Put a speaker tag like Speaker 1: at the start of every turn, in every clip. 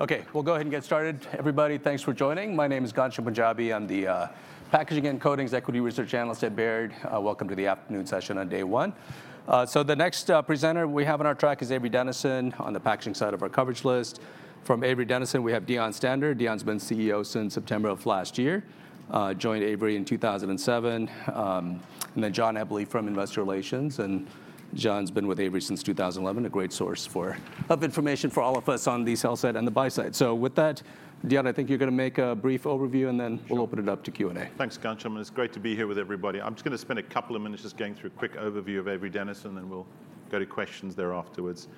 Speaker 1: Okay, we'll go ahead and get started. Everybody, thanks for joining. My name is Ghansham Panjabi. I'm the Packaging and Coatings Equity Research Analyst at Baird. Welcome to the afternoon session on Day 1. The next presenter we have on our track is Avery Dennison on the packaging side of our coverage list. From Avery Dennison, we have Deon Stander. Deon's been CEO since September of last year, joined Avery in 2007. Then John Eble from Investor Relations. John's been with Avery since 2011, a great source of information for all of us on the sell side and the buy side. With that, Deon, I think you're going to make a brief overview, and then we'll open it up to Q&A.
Speaker 2: Thanks, Ghansham. It's great to be here with everybody. I'm just going to spend a couple of minutes just going through a quick overview of Avery Dennison, and then we'll go to questions there afterwards.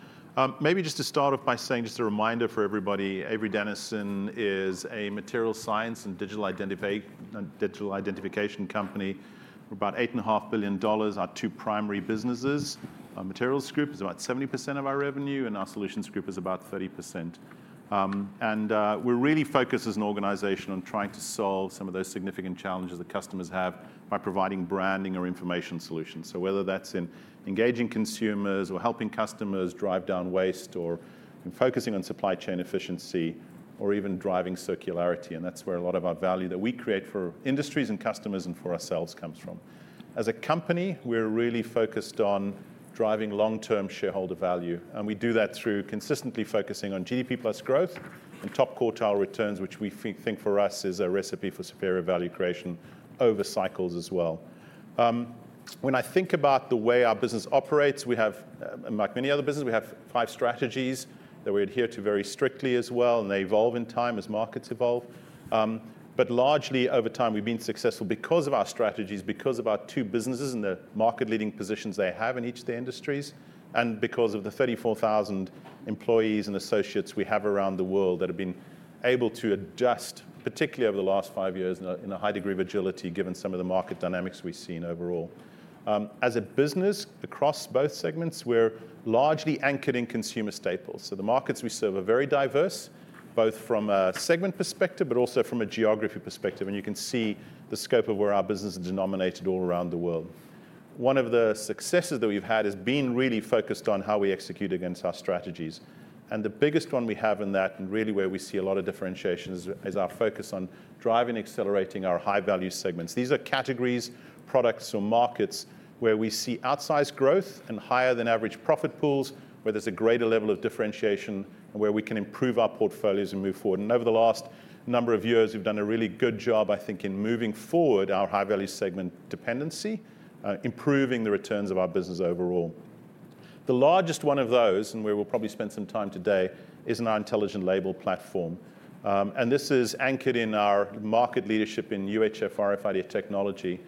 Speaker 2: Maybe just to start off by saying just a reminder for everybody, Avery Dennison is a materials science and digital identification company. We're about $8.5 billion. Our two primary businesses, our Materials Group, is about 70% of our revenue, and our Solutions Group is about 30%, and we're really focused as an organization on trying to solve some of those significant challenges that customers have by providing branding or information solutions. So whether that's in engaging consumers or helping customers drive down waste or focusing on supply chain efficiency or even driving circularity, and that's where a lot of our value that we create for industries and customers and for ourselves comes from. As a company, we're really focused on driving long-term shareholder value, and we do that through consistently focusing on GDP plus growth and top quartile returns, which we think for us is a recipe for superior value creation over cycles as well. When I think about the way our business operates, we have, like many other businesses, five strategies that we adhere to very strictly as well, and they evolve in time as markets evolve, but largely, over time, we've been successful because of our strategies, because of our two businesses and the market-leading positions they have in each of the industries, and because of the 34,000 employees and associates we have around the world that have been able to adjust, particularly over the last five years, in a high degree of agility, given some of the market dynamics we've seen overall. As a business, across both segments, we're largely anchored in consumer staples. So the markets we serve are very diverse, both from a segment perspective, but also from a geography perspective. And you can see the scope of where our business is denominated all around the world. One of the successes that we've had has been really focused on how we execute against our strategies. And the biggest one we have in that, and really where we see a lot of differentiation, is our focus on driving and accelerating our high-value segments. These are categories, products, or markets where we see outsized growth and higher-than-average profit pools, where there's a greater level of differentiation, and where we can improve our portfolios and move forward. Over the last number of years, we've done a really good job, I think, in moving forward our high-value segment dependency, improving the returns of our business overall. The largest one of those, and where we'll probably spend some time today, is in our Intelligent Labels platform. This is anchored in our market leadership in UHF RFID technology.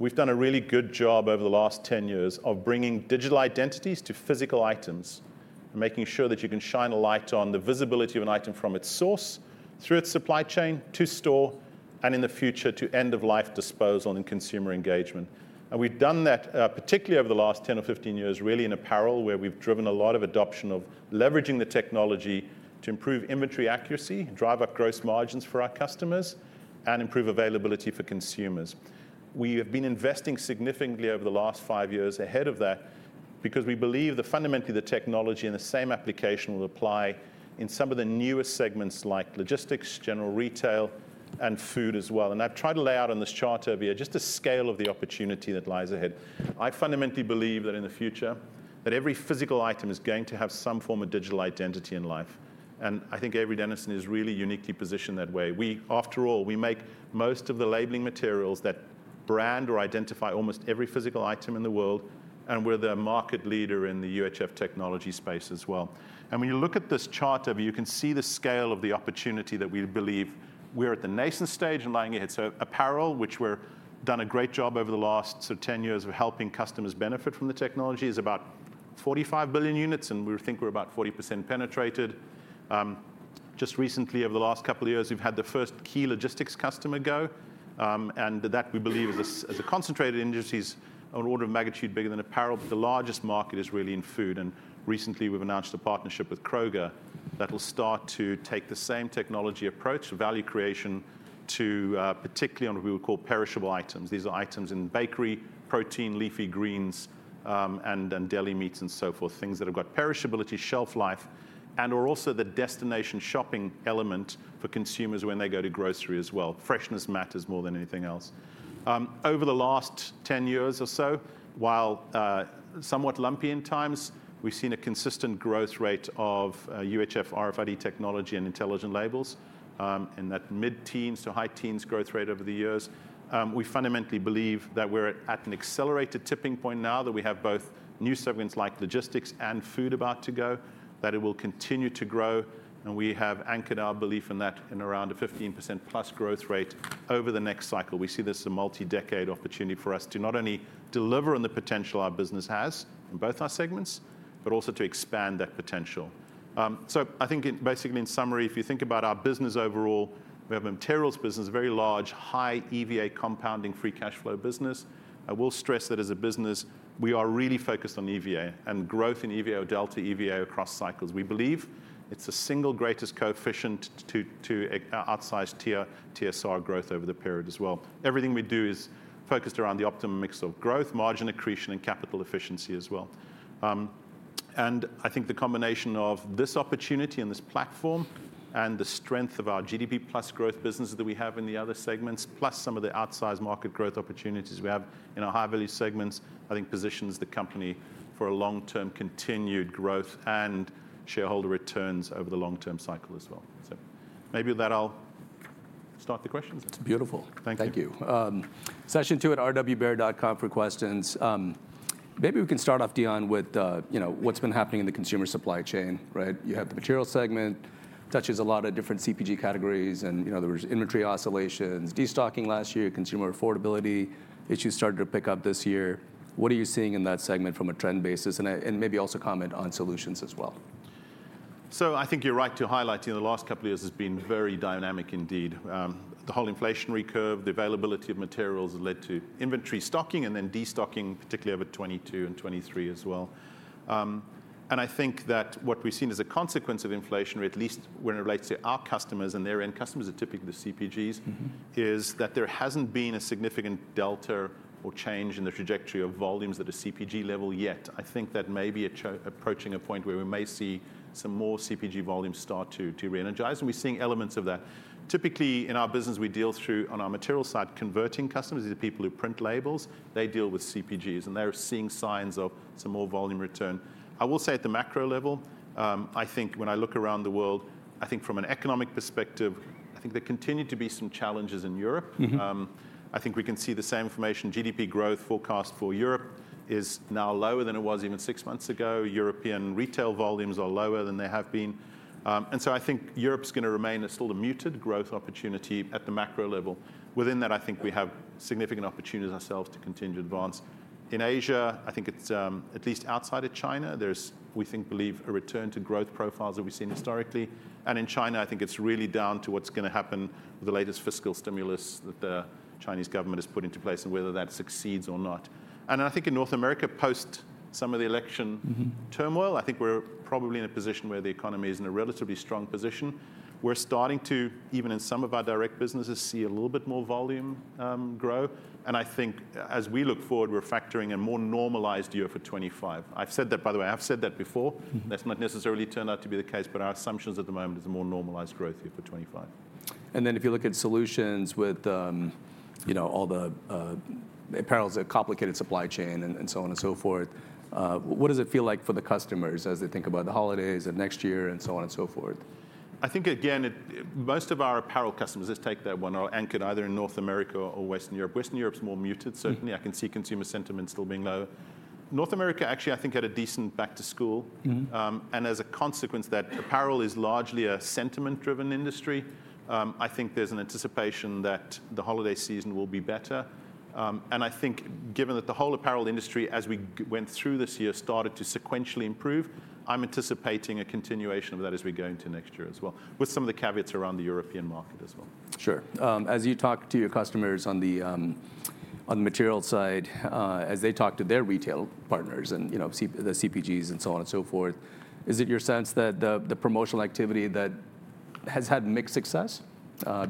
Speaker 2: We've done a really good job over the last 10 years of bringing digital identities to physical items and making sure that you can shine a light on the visibility of an item from its source, through its supply chain, to store, and in the future to end-of-life disposal and consumer engagement. And we've done that, particularly over the last 10 or 15 years, really in a parallel where we've driven a lot of adoption of leveraging the technology to improve inventory accuracy, drive up gross margins for our customers, and improve availability for consumers. We have been investing significantly over the last five years ahead of that because we believe that fundamentally the technology and the same application will apply in some of the newest segments like logistics, general retail, and food as well. And I've tried to lay out on this chart over here just the scale of the opportunity that lies ahead. I fundamentally believe that in the future, that every physical item is going to have some form of digital identity in life. And I think Avery Dennison is really uniquely positioned that way. After all, we make most of the labeling materials that brand or identify almost every physical item in the world, and we're the market leader in the UHF technology space as well. When you look at this chart over here, you can see the scale of the opportunity that we believe we're at the nascent stage and lying ahead. A parallel, which we've done a great job over the last 10 years of helping customers benefit from the technology, is about 45 billion units, and we think we're about 40% penetrated. Just recently, over the last couple of years, we've had the first key logistics customer go. That, we believe, is a concentrated industry's order of magnitude bigger than apparel. The largest market is really in food. Recently, we've announced a partnership with Kroger that will start to take the same technology approach, value creation, particularly on what we would call perishable items. These are items in bakery, protein, leafy greens, and deli meats and so forth, things that have got perishability, shelf life, and/or also the destination shopping element for consumers when they go to grocery as well. Freshness matters more than anything else. Over the last 10 years or so, while somewhat lumpy in times, we've seen a consistent growth rate of UHF RFID technology and Intelligent Labels in that mid-teens to high-teens growth rate over the years. We fundamentally believe that we're at an accelerated tipping point now, that we have both new segments like logistics and food about to go, that it will continue to grow. We have anchored our belief in that in around a +15% growth rate over the next cycle. We see this as a multi-decade opportunity for us to not only deliver on the potential our business has in both our segments, but also to expand that potential. I think basically in summary, if you think about our business overall, we have a materials business, very large, high EVA compounding free cash flow business. I will stress that as a business, we are really focused on EVA and growth in EVA or delta EVA across cycles. We believe it's the single greatest coefficient to outsized TSR growth over the period as well. Everything we do is focused around the optimum mix of growth, margin accretion, and capital efficiency as well. I think the combination of this opportunity and this platform and the strength of our GDP plus growth business that we have in the other segments, plus some of the outsized market growth opportunities we have in our high-value segments, I think positions the company for long-term continued growth and shareholder returns over the long-term cycle as well. Maybe with that, I'll start the questions.
Speaker 1: That's beautiful.
Speaker 2: Thank you.
Speaker 1: Thank you. Session2@rwbaird.com for questions. Maybe we can start off, Deon, with what's been happening in the consumer supply chain. You have the materials segment, touches a lot of different CPG categories, and there was inventory oscillations, destocking last year, consumer affordability issues started to pick up this year. What are you seeing in that segment from a trend basis? And maybe also comment on solutions as well.
Speaker 2: So I think you're right to highlight the last couple of years has been very dynamic indeed. The whole inflationary curve, the availability of materials has led to inventory stocking and then destocking, particularly over 2022 and 2023 as well. And I think that what we've seen as a consequence of inflation, at least when it relates to our customers and their end customers, typically the CPGs, is that there hasn't been a significant delta or change in the trajectory of volumes at a CPG level yet. I think that may be approaching a point where we may see some more CPG volumes start to reenergize. And we're seeing elements of that. Typically, in our business, we deal through on our materials side, converting customers are the people who print labels. They deal with CPGs, and they're seeing signs of some more volume return. I will say at the macro level, I think when I look around the world, I think from an economic perspective, I think there continue to be some challenges in Europe. I think we can see the same information. GDP growth forecast for Europe is now lower than it was even six months ago. European retail volumes are lower than they have been, and so I think Europe's going to remain still a muted growth opportunity at the macro level. Within that, I think we have significant opportunities ourselves to continue to advance. In Asia, I think it's at least outside of China; there's, we think, believe a return to growth profiles that we've seen historically, and in China, I think it's really down to what's going to happen with the latest fiscal stimulus that the Chinese government has put into place and whether that succeeds or not. I think in North America, post some of the election turmoil, I think we're probably in a position where the economy is in a relatively strong position. We're starting to, even in some of our direct businesses, see a little bit more volume grow. I think as we look forward, we're factoring a more normalized year for 2025. I've said that, by the way. I've said that before. That's not necessarily turned out to be the case, but our assumptions at the moment is a more normalized growth year for 2025.
Speaker 1: And then if you look at solutions with all the apparel, the complicated supply chain, and so on and so forth, what does it feel like for the customers as they think about the holidays and next year and so on and so forth?
Speaker 2: I think, again, most of our apparel customers, let's take that one, are anchored either in North America or Western Europe. Western Europe's more muted, certainly. I can see consumer sentiment still being low. North America, actually, I think, had a decent back-to-school. And as a consequence, that apparel is largely a sentiment-driven industry. I think there's an anticipation that the holiday season will be better. And I think, given that the whole apparel industry, as we went through this year, started to sequentially improve, I'm anticipating a continuation of that as we go into next year as well, with some of the caveats around the European market as well.
Speaker 1: Sure. As you talk to your customers on the materials side, as they talk to their retail partners and the CPGs and so on and so forth, is it your sense that the promotional activity that has had mixed success?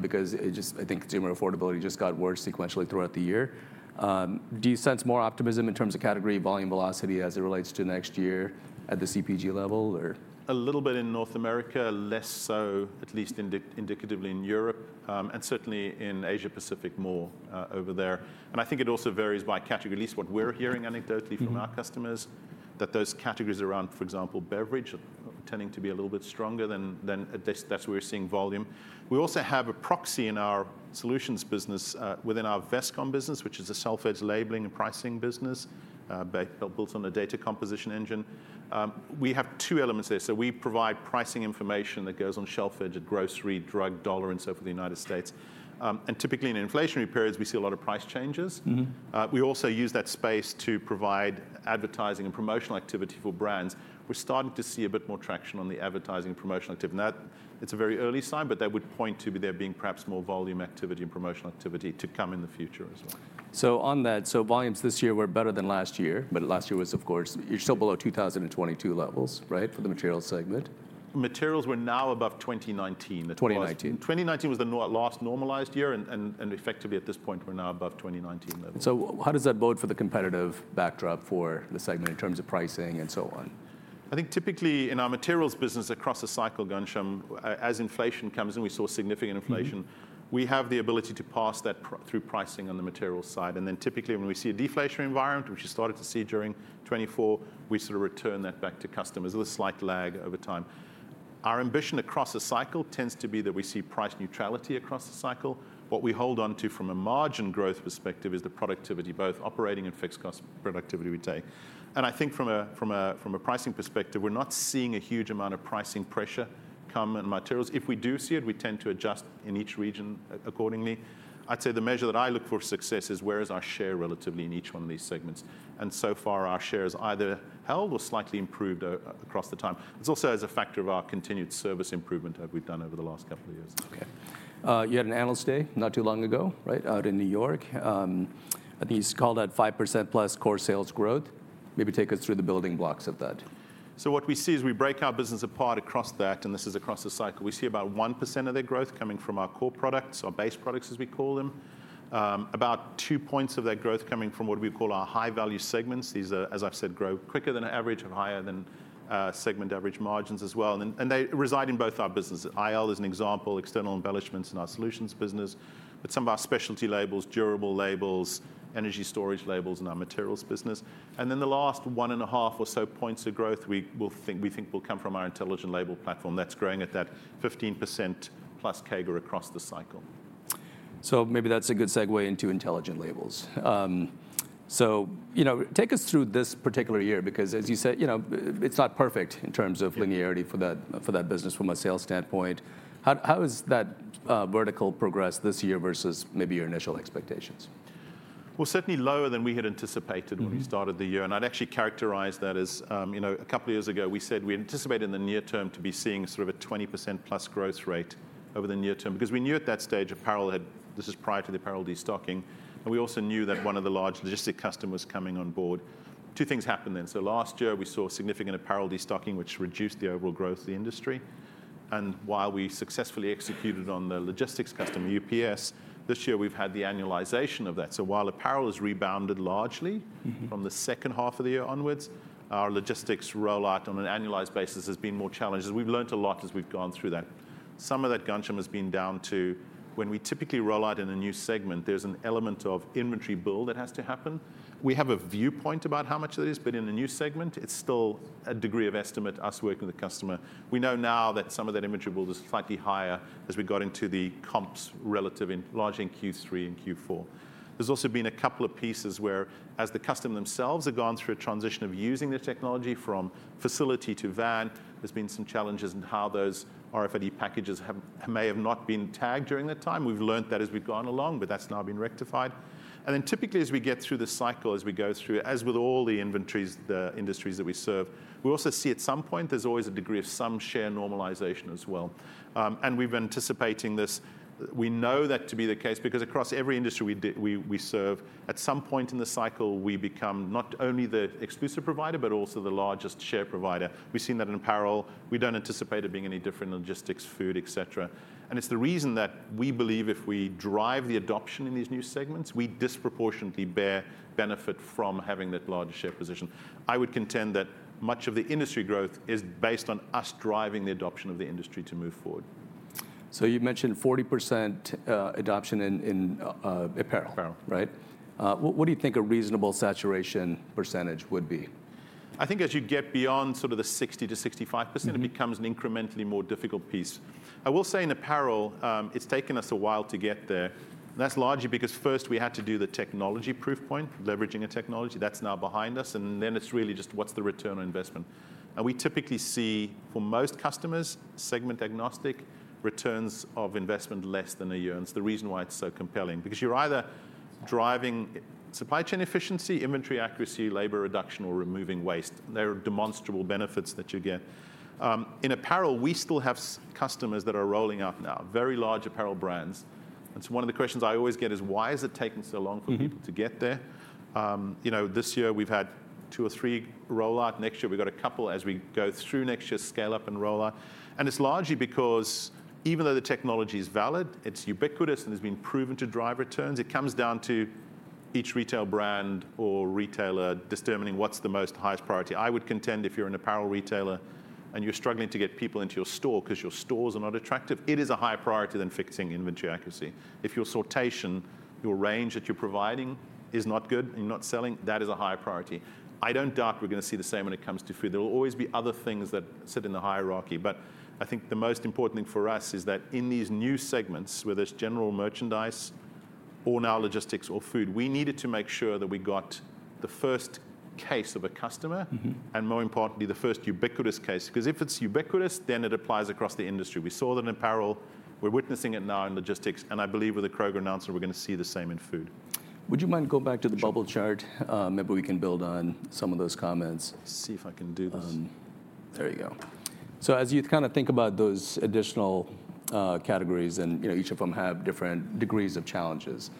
Speaker 1: Because I think consumer affordability just got worse sequentially throughout the year. Do you sense more optimism in terms of category volume velocity as it relates to next year at the CPG level?
Speaker 2: A little bit in North America, less so, at least indicatively in Europe, and certainly in Asia Pacific more over there. And I think it also varies by category, at least what we're hearing anecdotally from our customers, that those categories around, for example, beverage are tending to be a little bit stronger than that. That's where we're seeing volume. We also have a proxy in our solutions business within our Vestcom business, which is a shelf-edge labeling and pricing business built on a data composition engine. We have two elements there. So we provide pricing information that goes on shelf-edge at grocery, drug, dollar, and so forth in the United States. And typically, in inflationary periods, we see a lot of price changes. We also use that space to provide advertising and promotional activity for brands. We're starting to see a bit more traction on the advertising and promotional activity. And it's a very early sign, but that would point to there being perhaps more volume activity and promotional activity to come in the future as well.
Speaker 1: On that, volumes this year were better than last year, but last year was, of course, you're still below 2022 levels, right, for the materials segment?
Speaker 2: Materials were now above 2019.
Speaker 1: 2019.
Speaker 2: 2019 was the last normalized year. Effectively, at this point, we're now above 2019 levels.
Speaker 1: So how does that bode for the competitive backdrop for the segment in terms of pricing and so on?
Speaker 2: I think typically, in our materials business across a cycle, Ghansham, as inflation comes in, we saw significant inflation. We have the ability to pass that through pricing on the materials side, and then typically, when we see a deflationary environment, which we started to see during 2024, we sort of return that back to customers with a slight lag over time. Our ambition across a cycle tends to be that we see price neutrality across the cycle. What we hold on to from a margin growth perspective is the productivity, both operating and fixed cost productivity we take, and I think from a pricing perspective, we're not seeing a huge amount of pricing pressure come in materials. If we do see it, we tend to adjust in each region accordingly. I'd say the measure that I look for success is where is our share relatively in each one of these segments, and so far, our share is either held or slightly improved across the time. It's also as a factor of our continued service improvement that we've done over the last couple of years.
Speaker 1: Okay. You had an Analyst Day not too long ago, right, out in New York. I think you called that +5% core sales growth. Maybe take us through the building blocks of that.
Speaker 2: So what we see is we break our business apart across that, and this is across the cycle. We see about 1% of their growth coming from our core products, our base products, as we call them. About 2 points of that growth coming from what we call our high-value segments. These, as I've said, grow quicker than average or higher than segment average margins as well. And they reside in both our businesses. IL is an example, external embellishments in our solutions business, but some of our specialty labels, durable labels, energy storage labels in our materials business. And then the last 1.5 or so points of growth we think will come from our intelligent label platform that's growing at that +15% CAGR across the cycle.
Speaker 1: So maybe that's a good segue into Intelligent Labels. So take us through this particular year because, as you said, it's not perfect in terms of linearity for that business from a sales standpoint. How has that vertical progressed this year versus maybe your initial expectations?
Speaker 2: Certainly lower than we had anticipated when we started the year. I'd actually characterize that as a couple of years ago, we said we anticipated in the near term to be seeing sort of a +20% growth rate over the near term because we knew at that stage apparel had, this is prior to the apparel destocking, and we also knew that one of the large logistics customers coming on board. Two things happened then. Last year, we saw significant apparel destocking, which reduced the overall growth of the industry. While we successfully executed on the logistics customer, UPS, this year, we've had the annualization of that. While apparel has rebounded largely from the second half of the year onwards, our logistics rollout on an annualized basis has been more challenged. We've learned a lot as we've gone through that. Some of that, Ghansham, has been down to when we typically rollout in a new segment, there's an element of inventory build that has to happen. We have a viewpoint about how much of that is, but in a new segment, it's still a degree of estimation as we're working with the customer. We know now that some of that inventory build is slightly higher as we got into the comps relatively larger in Q3 and Q4. There's also been a couple of pieces where, as the customer themselves have gone through a transition of using the technology from facility to vendor, there's been some challenges in how those RFID packages may have not been tagged during that time. We've learned that as we've gone along, but that's now been rectified. And then typically, as we get through the cycle, as we go through, as with all the inventories, the industries that we serve, we also see at some point there's always a degree of some share normalization as well. And we've been anticipating this. We know that to be the case because across every industry we serve, at some point in the cycle, we become not only the exclusive provider, but also the largest share provider. We've seen that in apparel. We don't anticipate it being any different in logistics, food, et cetera. And it's the reason that we believe if we drive the adoption in these new segments, we disproportionately bear benefit from having that larger share position. I would contend that much of the industry growth is based on us driving the adoption of the industry to move forward.
Speaker 1: So you mentioned 40% adoption in apparel, right? What do you think a reasonable saturation percentage would be?
Speaker 2: I think as you get beyond sort of the 60%-65%, it becomes an incrementally more difficult piece. I will say in apparel, it's taken us a while to get there. That's largely because first we had to do the technology proof point, leveraging a technology. That's now behind us, and then it's really just what's the return on investment, and we typically see for most customers, segment agnostic, return on investment less than a year, and it's the reason why it's so compelling because you're either driving supply chain efficiency, inventory accuracy, labor reduction, or removing waste. There are demonstrable benefits that you get. In apparel, we still have customers that are rolling out now, very large apparel brands, and so one of the questions I always get is, why is it taking so long for people to get there? This year, we've had two or three rollouts. Next year, we've got a couple as we go through next year, scale up and rollout, and it's largely because even though the technology is valid, it's ubiquitous, and it's been proven to drive returns, it comes down to each retail brand or retailer determining what's the most highest priority. I would contend if you're an apparel retailer and you're struggling to get people into your store because your stores are not attractive, it is a higher priority than fixing inventory accuracy. If your sortation, your range that you're providing is not good and you're not selling, that is a higher priority. I don't doubt we're going to see the same when it comes to food. There will always be other things that sit in the hierarchy. But I think the most important thing for us is that in these new segments where there's general merchandise or now logistics or food, we needed to make sure that we got the first case of a customer and, more importantly, the first ubiquitous case. Because if it's ubiquitous, then it applies across the industry. We saw that in apparel. We're witnessing it now in logistics. And I believe with the Kroger announcement, we're going to see the same in food.
Speaker 1: Would you mind going back to the bubble chart? Maybe we can build on some of those comments.
Speaker 2: See if I can do this.
Speaker 1: There you go. So as you kind of think about those additional categories and each of them have different degrees of challenges,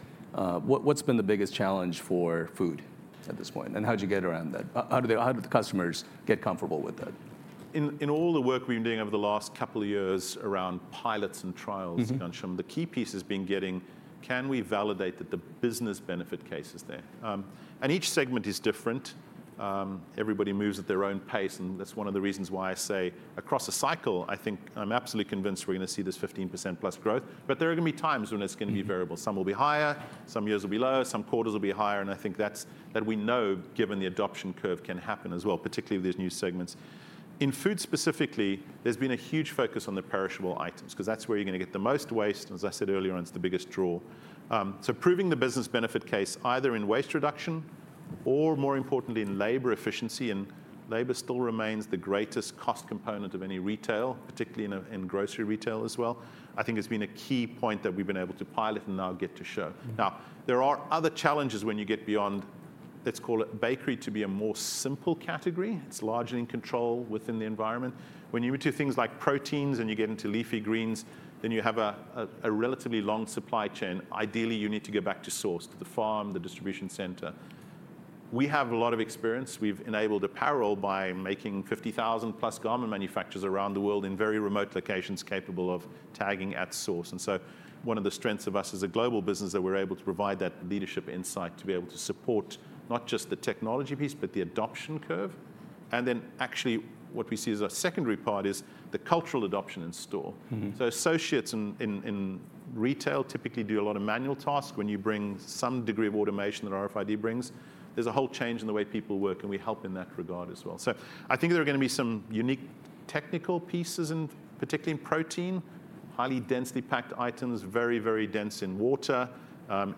Speaker 1: what's been the biggest challenge for food at this point? And how did you get around that? How did the customers get comfortable with that?
Speaker 2: In all the work we've been doing over the last couple of years around pilots and trials in Ghansham, the key piece has been getting, can we validate that the business benefit case is there? And each segment is different. Everybody moves at their own pace. And that's one of the reasons why I say across a cycle, I think I'm absolutely convinced we're going to see this +15% growth. But there are going to be times when it's going to be variable. Some will be higher, some years will be lower, some quarters will be higher. And I think that we know, given the adoption curve, can happen as well, particularly with these new segments. In food specifically, there's been a huge focus on the perishable items because that's where you're going to get the most waste. And as I said earlier, it's the biggest draw. Proving the business benefit case either in waste reduction or, more importantly, in labor efficiency. And labor still remains the greatest cost component of any retail, particularly in grocery retail as well. I think it's been a key point that we've been able to pilot and now get to show. Now, there are other challenges when you get beyond, let's call it bakery, to be a more simple category. It's largely in control within the environment. When you move to things like proteins and you get into leafy greens, then you have a relatively long supply chain. Ideally, you need to go back to source, to the farm, the distribution center. We have a lot of experience. We've enabled apparel by making +50,000 garment manufacturers around the world in very remote locations capable of tagging at source. And so one of the strengths of us as a global business is that we're able to provide that leadership insight to be able to support not just the technology piece, but the adoption curve. And then actually what we see as a secondary part is the cultural adoption in store. So associates in retail typically do a lot of manual tasks. When you bring some degree of automation that RFID brings, there's a whole change in the way people work. And we help in that regard as well. I think there are going to be some unique technical pieces, particularly in protein, highly densely packed items, very, very dense in water,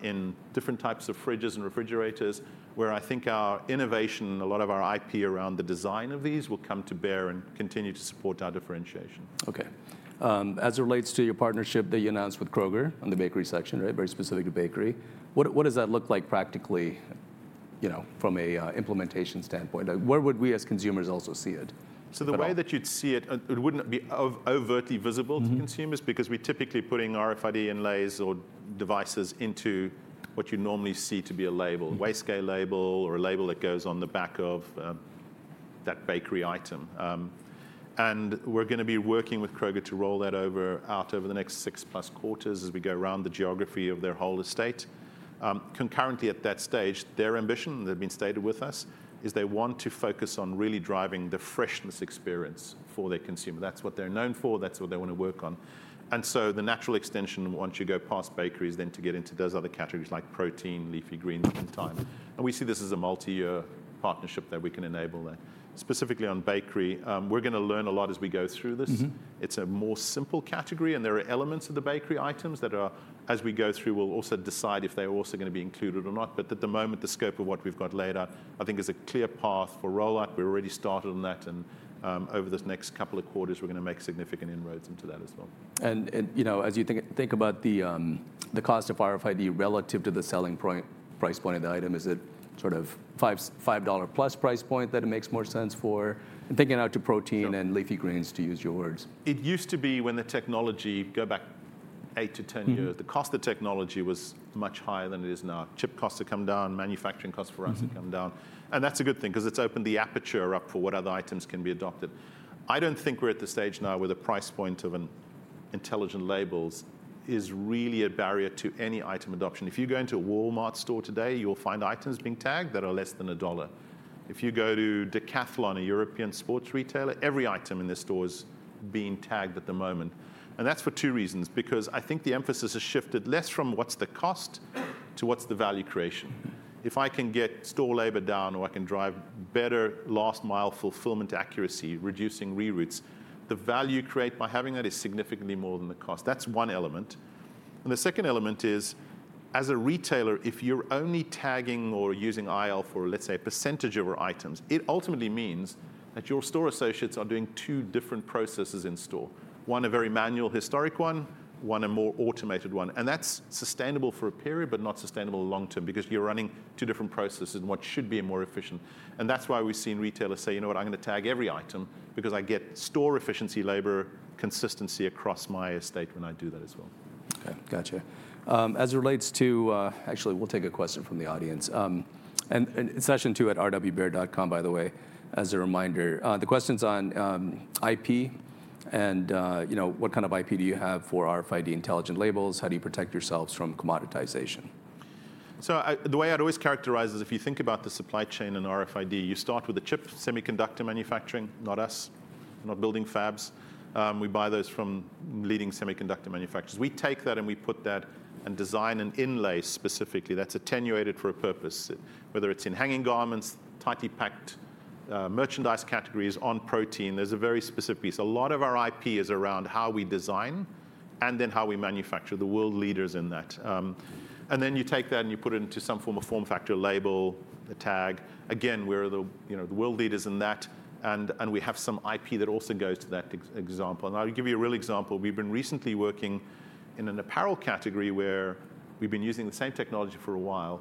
Speaker 2: in different types of fridges and refrigerators, where I think our innovation and a lot of our IP around the design of these will come to bear and continue to support our differentiation.
Speaker 1: Okay. As it relates to your partnership that you announced with Kroger on the bakery section, right, very specific to bakery, what does that look like practically from an implementation standpoint? Where would we as consumers also see it?
Speaker 2: The way that you'd see it, it wouldn't be overtly visible to consumers because we're typically putting RFID inlays or devices into what you normally see to be a label, a scale label, or a label that goes on the back of that bakery item. We're going to be working with Kroger to roll that out over the next six plus quarters as we go around the geography of their whole estate. Concurrently, at that stage, their ambition that had been stated with us is they want to focus on really driving the freshness experience for their consumer. That's what they're known for. That's what they want to work on. The natural extension, once you go past bakeries, then to get into those other categories like protein, leafy greens, and time. We see this as a multi-year partnership that we can enable there. Specifically on bakery, we're going to learn a lot as we go through this. It's a more simple category. And there are elements of the bakery items that are, as we go through, we'll also decide if they're also going to be included or not. But at the moment, the scope of what we've got laid out, I think, is a clear path for rollout. We've already started on that. And over this next couple of quarters, we're going to make significant inroads into that as well.
Speaker 1: As you think about the cost of RFID relative to the selling price point of the item, is it sort of $5 plus price point that it makes more sense for? Thinking out to protein and leafy greens, to use your words.
Speaker 2: It used to be when the technology, go back 8 to 10 years, the cost of technology was much higher than it is now. Chip costs have come down. Manufacturing costs for us have come down. And that's a good thing because it's opened the aperture up for what other items can be adopted. I don't think we're at the stage now where the price point of Intelligent Labels is really a barrier to any item adoption. If you go into a Walmart store today, you'll find items being tagged that are less than $1. If you go to Decathlon, a European sports retailer, every item in this store is being tagged at the moment. And that's for two reasons. Because I think the emphasis has shifted less from what's the cost to what's the value creation. If I can get store labor down or I can drive better last-mile fulfillment accuracy, reducing reroutes, the value created by having that is significantly more than the cost. That's one element. And the second element is, as a retailer, if you're only tagging or using IL for, let's say, a percentage of our items, it ultimately means that your store associates are doing two different processes in store. One, a very manual historic one. One, a more automated one. And that's sustainable for a period, but not sustainable long term because you're running two different processes in what should be a more efficient. And that's why we've seen retailers say, you know what, I'm going to tag every item because I get store efficiency, labor consistency across my estate when I do that as well.
Speaker 1: Okay. Got it. As it relates to, actually, we'll take a question from the audience. And session2@rwbaird.com by the way, as a reminder, the question's on IP and what kind of IP do you have for RFID Intelligent Labels? How do you protect yourselves from commoditization?
Speaker 2: So the way I'd always characterize is if you think about the supply chain in RFID, you start with the chip semiconductor manufacturing, not us. We're not building fabs. We buy those from leading semiconductor manufacturers. We take that and we put that and design an inlay specifically that's attenuated for a purpose, whether it's in hanging garments, tightly packed merchandise categories on protein. There's a very specific piece. A lot of our IP is around how we design and then how we manufacture. The world leaders in that. And then you take that and you put it into some form of form factor label, the tag. Again, we're the world leaders in that. And we have some IP that also goes to that example. And I'll give you a real example. We've been recently working in an apparel category where we've been using the same technology for a while.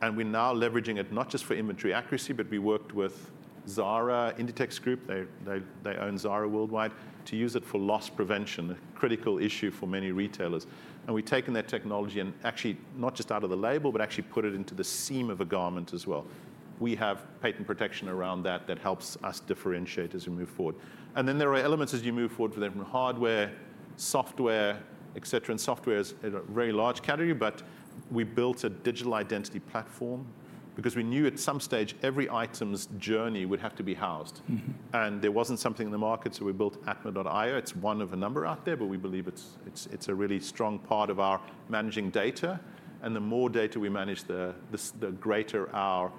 Speaker 2: We're now leveraging it not just for inventory accuracy, but we worked with Zara (Inditex Group). They own Zara worldwide to use it for loss prevention, a critical issue for many retailers. We've taken that technology and actually not just out of the label, but actually put it into the seam of a garment as well. We have patent protection around that that helps us differentiate as we move forward. Then there are elements as you move forward for different hardware, software, et cetera. Software is a very large category, but we built a digital identity platform because we knew at some stage every item's journey would have to be housed. There wasn't something in the market, so we built atma.io. It's one of a number out there, but we believe it's a really strong part of our managing data. The more data we manage, the greater our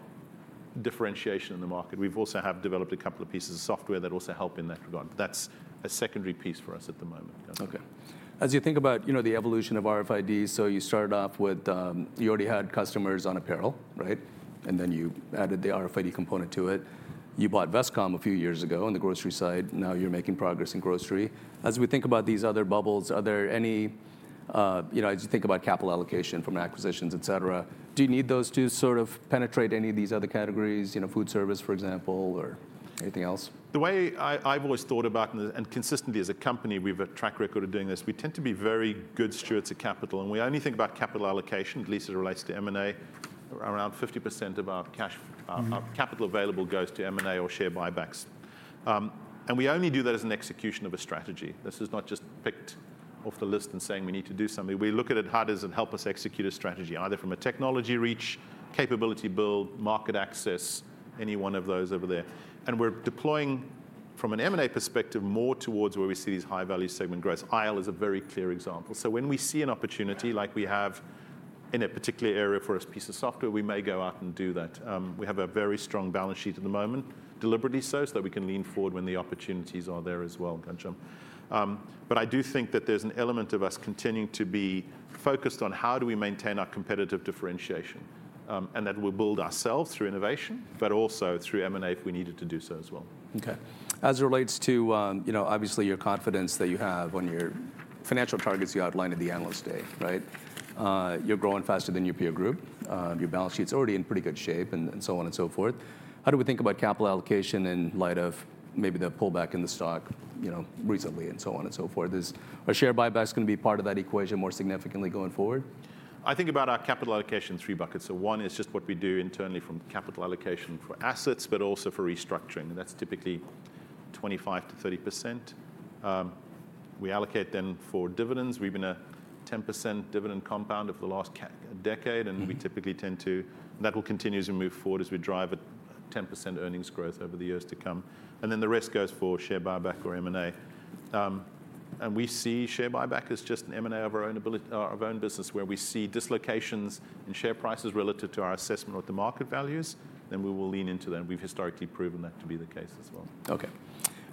Speaker 2: differentiation in the market. We've also developed a couple of pieces of software that also help in that regard. That's a secondary piece for us at the moment.
Speaker 1: Okay. As you think about the evolution of RFID, so you started off with you already had customers on apparel, right? And then you added the RFID component to it. You bought Vestcom a few years ago on the grocery side. Now you're making progress in grocery. As we think about these other bubbles, are there any, as you think about capital allocation from acquisitions, et cetera, do you need those to sort of penetrate any of these other categories, food service, for example, or anything else?
Speaker 2: The way I've always thought about and consistently, as a company, we have a track record of doing this. We tend to be very good stewards of capital, and we only think about capital allocation, at least as it relates to M&A. Around 50% of our capital available goes to M&A or share buybacks, and we only do that as an execution of a strategy. This is not just picked off the list and saying we need to do something. We look at it hard as it helps us execute a strategy, either from a technology reach, capability build, market access, any one of those over there, and we're deploying from an M&A perspective more towards where we see these high-value segment growths. IL is a very clear example. So when we see an opportunity, like we have in a particular area for a piece of software, we may go out and do that. We have a very strong balance sheet at the moment, deliberately so, so that we can lean forward when the opportunities are there as well, Ghansham. But I do think that there's an element of us continuing to be focused on how do we maintain our competitive differentiation and that we'll build ourselves through innovation, but also through M&A if we needed to do so as well.
Speaker 1: Okay. As it relates to, obviously, your confidence that you have on your financial targets you outlined at the Analyst Day, right? You're growing faster than your peer group. Your balance sheet's already in pretty good shape and so on and so forth. How do we think about capital allocation in light of maybe the pullback in the stock recently and so on and so forth? Is a share buyback going to be part of that equation more significantly going forward?
Speaker 2: I think about our capital allocation in three buckets, so one is just what we do internally from capital allocation for assets, but also for restructuring, and that's typically 25%-30%. We allocate then for dividends. We've been a 10% dividend compound over the last decade, and we typically tend to, and that will continue as we move forward as we drive a 10% earnings growth over the years to come, and then the rest goes for share buyback or M&A, and we see share buyback as just an M&A of our own business where we see dislocations in share prices relative to our assessment or the market values, then we will lean into that, and we've historically proven that to be the case as well.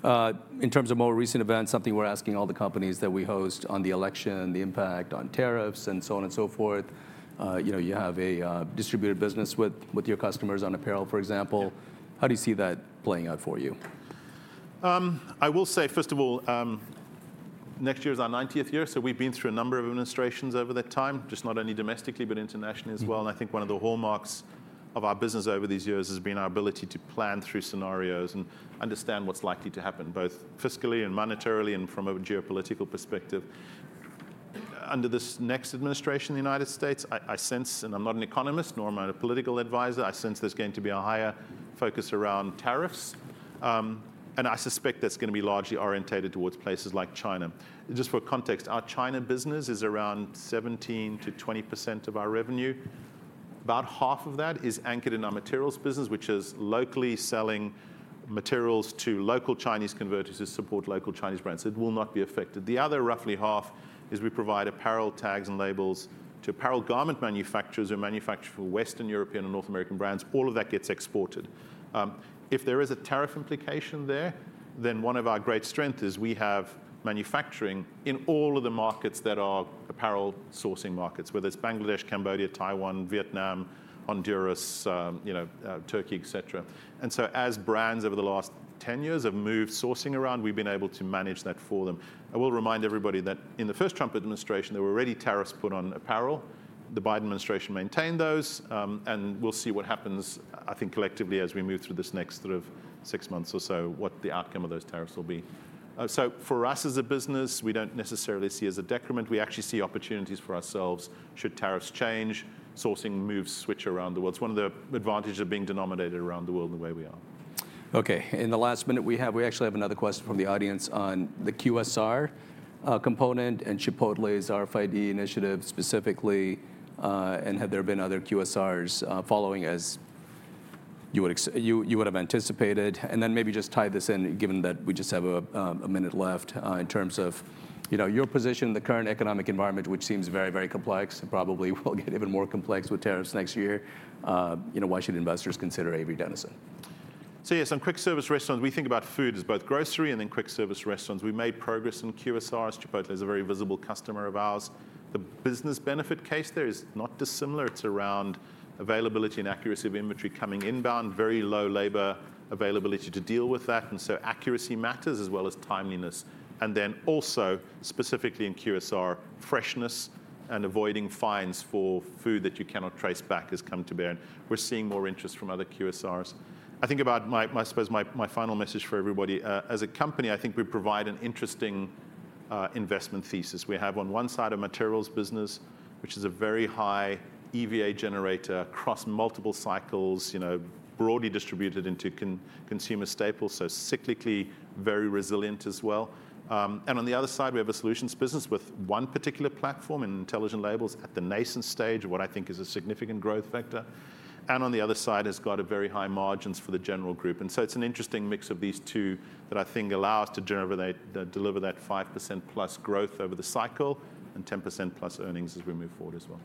Speaker 1: Okay. In terms of more recent events, something we're asking all the companies that we host. On the election, the impact on tariffs and so on and so forth. You have a distributed business with your customers on apparel, for example. How do you see that playing out for you?
Speaker 2: I will say, first of all, next year is our 90th year. So we've been through a number of administrations over that time, just not only domestically, but internationally as well. And I think one of the hallmarks of our business over these years has been our ability to plan through scenarios and understand what's likely to happen both fiscally and monetarily and from a geopolitical perspective. Under this next administration in the United States, I sense, and I'm not an economist nor am I a political advisor, I sense there's going to be a higher focus around tariffs. And I suspect that's going to be largely orientated towards places like China. Just for context, our China business is around 17% to 20% of our revenue. About half of that is anchored in our materials business, which is locally selling materials to local Chinese converters who support local Chinese brands. It will not be affected. The other roughly half is we provide apparel tags and labels to apparel garment manufacturers who manufacture for Western European and North American brands. All of that gets exported. If there is a tariff implication there, then one of our great strengths is we have manufacturing in all of the markets that are apparel sourcing markets, whether it's Bangladesh, Cambodia, Taiwan, Vietnam, Honduras, Turkey, et cetera, and so as brands over the last 10 years have moved sourcing around, we've been able to manage that for them. I will remind everybody that in the first Trump administration, there were already tariffs put on apparel. The Biden administration maintained those, and we'll see what happens, I think, collectively as we move through this next sort of six months or so, what the outcome of those tariffs will be. So for us as a business, we don't necessarily see as a decrement. We actually see opportunities for ourselves. Should tariffs change, sourcing moves switch around the world? It's one of the advantages of being denominated around the world in the way we are.
Speaker 1: Okay. In the last minute we have, we actually have another question from the audience on the QSR component and Chipotle's RFID initiative specifically. And have there been other QSRs following as you would have anticipated? And then maybe just tie this in, given that we just have a minute left, in terms of your position in the current economic environment, which seems very, very complex and probably will get even more complex with tariffs next year. Why should investors consider Avery Dennison?
Speaker 2: So yes, on quick service restaurants, we think about food as both grocery and then quick service restaurants. We made progress in QSRs. Chipotle is a very visible customer of ours. The business benefit case there is not dissimilar. It's around availability and accuracy of inventory coming inbound, very low labor availability to deal with that. And so accuracy matters as well as timeliness. And then also, specifically in QSR, freshness and avoiding fines for food that you cannot trace back has come to bear. And we're seeing more interest from other QSRs. I think about, I suppose, my final message for everybody. As a company, I think we provide an interesting investment thesis. We have on one side a materials business, which is a very high EVA generator across multiple cycles, broadly distributed into consumer staples. So cyclically very resilient as well. And on the other side, we have a solutions business with one particular platform in Intelligent Labels at the nascent stage, what I think is a significant growth factor. And on the other side, it's got very high margins for the general group. And so it's an interesting mix of these two that I think allow us to deliver that +5% growth over the cycle and +10% earnings as we move forward as well.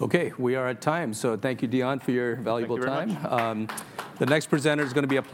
Speaker 1: Okay. We are at time, so thank you, Deon, for your valuable time.
Speaker 2: Thank you.